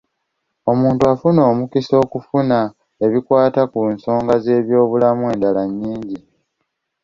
Omuntu afuna omukisa okufuna ebikwata ku nsonga z’ebyobulamu endala nnyingi.